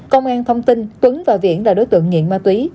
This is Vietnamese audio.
công an thông tin tuấn và viễn là đối tượng nghiện ma túy